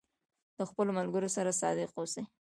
د خپلو ملګرو سره صادق اوسئ.